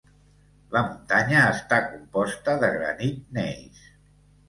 La muntanya està composta de granit gneis.